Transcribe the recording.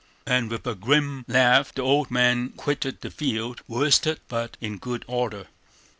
And with a grim laugh the old man quitted the field, worsted but in good order.